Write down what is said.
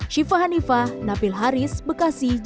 syifa hanifah nabil haris bekasi jawa